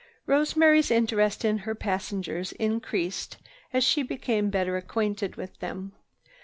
Rosemary's interest in her passengers increased as she became better acquainted with them.